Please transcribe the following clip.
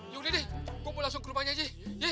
ya udah deh gue mau langsung ke rumahnya ji